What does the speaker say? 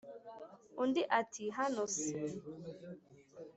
Undi ati"hano se